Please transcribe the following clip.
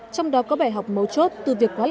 trong đó có bài học mấu chốt từ việc quá